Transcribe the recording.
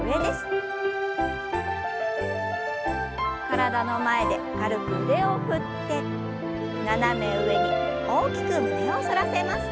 体の前で軽く腕を振って斜め上に大きく胸を反らせます。